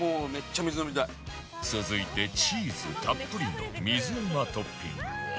続いてチーズたっぷりの水うまトッピングを